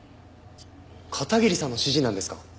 片桐さんの指示なんですか？